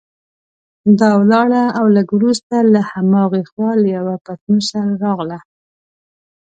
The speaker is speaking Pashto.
دا ولاړه او لږ وروسته له هماغې خوا له یوه پتنوس سره راغله.